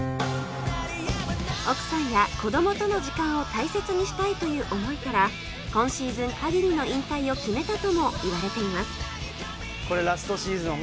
奥さんや子供との時間を大切にしたいという思いから今シーズン限りの引退を決めたともいわれています